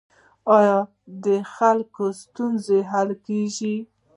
آیا د خلکو ستونزې حل کیږي؟